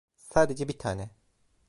Sadece bir tane.